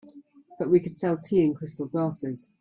But we could sell tea in crystal glasses.